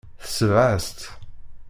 Tesbeɣ-as-tt.